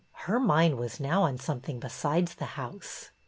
Her mind was now on something besides the house.